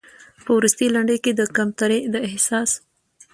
په وروستۍ لنډۍ کې د کمترۍ د احساس